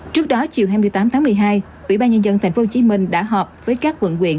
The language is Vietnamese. trước đó chiều hai mươi tám tháng một mươi hai ubnd tp hcm đã họp với các quận quyền